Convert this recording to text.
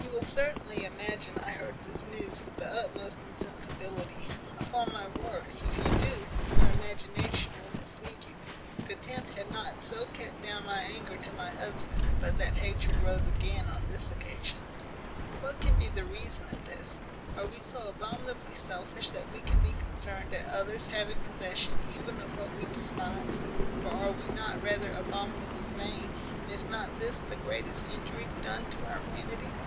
"You will certainly imagine I heard this news with the utmost insensibility Upon my word, if you do, your imagination will mislead you. Contempt had not so kept down my anger to my husband, but that hatred rose again on this occasion. What can be the reason of this? Are we so abominably selfish, that we can be concerned at others having possession even of what we despise? Or are we not rather abominably vain, and is not this the greatest injury done to our vanity?